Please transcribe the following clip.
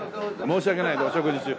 申し訳ないお食事中。